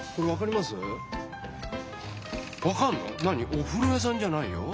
おふろやさんじゃないよ。